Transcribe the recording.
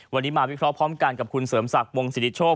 วันนี้มาวิเคราะห์พร้อมกันกับคุณเสริมศักดิ์วงศิริโชค